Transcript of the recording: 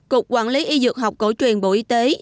cục quản lý y dược học cổ truyền bộ y tế